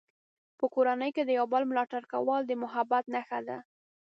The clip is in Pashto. په کورنۍ کې د یو بل ملاتړ کول د محبت نښه ده.